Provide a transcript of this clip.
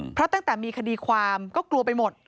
เพราะตั้งแต่มีคดีความก็กลัวไปหมด